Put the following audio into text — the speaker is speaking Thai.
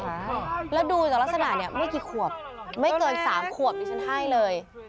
แล้วดูจากลักษณะเนี่ยไม่กี่ขวบไม่เกินสามขวบดิฉันให้เลย